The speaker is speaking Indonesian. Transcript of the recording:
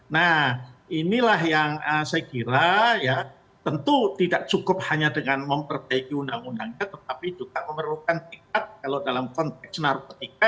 nah inilah yang saya kira ya tentu tidak cukup hanya dengan memperbaiki undang undangnya tetapi juga memerlukan tingkat kalau dalam konteks narkotika